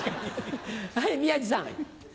はい宮治さん。